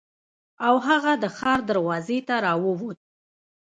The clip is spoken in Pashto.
او هغه د ښار دروازې ته راووت.